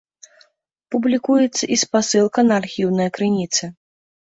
Публікуецца і спасылка на архіўныя крыніцы.